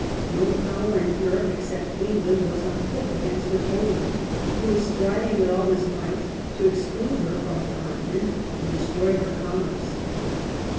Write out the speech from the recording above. No power in Europe, except England, was on foot against Napoleon, who was striving with all his might to exclude her from the continent and destroy her commerce.